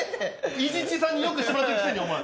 伊地知さんによくしてもらったくせにお前。